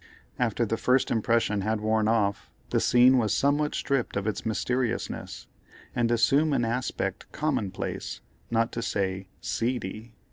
After the first impression had worn off, the scene was somewhat stripped of its mysteriousness, and assumed an aspect commonplace, not to say seedy.